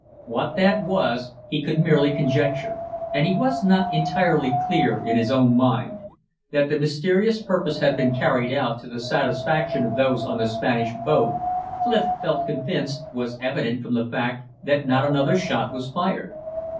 What that was he could merely conjecture, and he was not entirely clear in his own mind. That the mysterious purpose had been carried out to the satisfaction of those on the Spanish boat, Clif felt convinced, was evident from the fact that not another shot was fired.